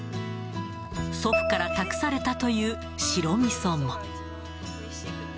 祖父から託されたという白みそも。